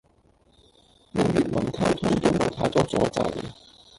用粵文溝通都冇太多阻滯